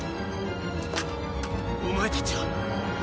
お前たちは。